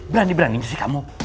berani berani musik kamu